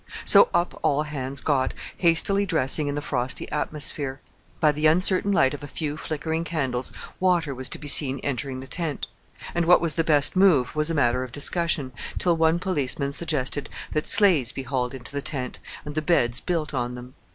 So up all hands got, hastily dressing in the frosty atmosphere. By the uncertain light of a few flickering candles water was to be seen entering the tent; and what was the best move was a matter of discussion, till one policeman suggested that sleighs be hauled into the tent, and the beds built on them.